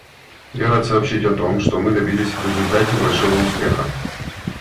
Я рад сообщить о том, что мы добились в результате большого успеха.